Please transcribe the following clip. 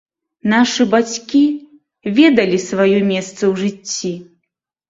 Нашы бацькі ведалі сваё месца ў жыцці.